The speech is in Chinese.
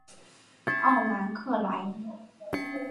奥兰克莱。